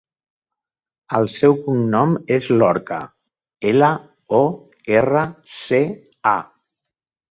El seu cognom és Lorca: ela, o, erra, ce, a.